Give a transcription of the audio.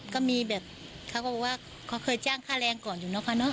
ก็มีแบบเขาก็บอกว่าเขาเคยจ้างค่าแรงก่อนอยู่นะคะเนอ